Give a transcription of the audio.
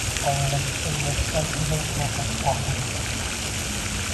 Bangladeshda O‘zbekiston turizm salohiyati taqdim qilindi